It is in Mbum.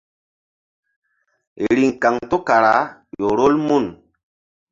Riŋ kaŋto kara ƴo rol mun.